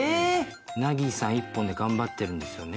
凪さん一本で頑張ってるんですね